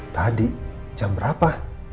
tadi jam berapa